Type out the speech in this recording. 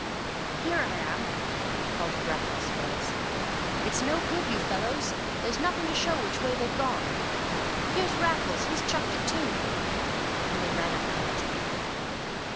"Here I am," called a breathless voice. "It's no good, you fellows. There's nothing to show which way they've gone. Here's Raffles; he's chucked it, too." And they ran up panting.